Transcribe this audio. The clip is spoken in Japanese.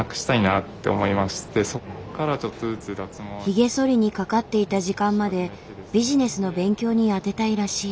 ヒゲそりにかかっていた時間までビジネスの勉強に充てたいらしい。